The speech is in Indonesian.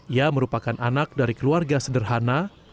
ia merupakan anak dari keluarga sederhana